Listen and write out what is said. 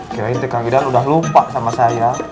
kirain ke kang idan udah lupa sama saya